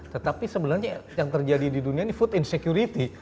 tetapi sebenarnya yang terjadi di dunia ini food in security